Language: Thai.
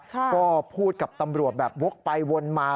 ก็พูดกับตำรวจแบบวกไปวนมา